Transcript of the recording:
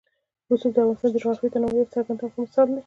رسوب د افغانستان د جغرافیوي تنوع یو څرګند او ښه مثال دی.